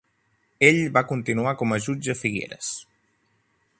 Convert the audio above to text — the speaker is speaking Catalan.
Ell va continuar com a jutge a Figueres.